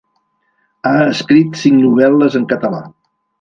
Ha escrit cinc novel·les en català.